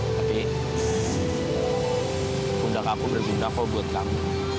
tapi kundang aku berbicara apa buat kamu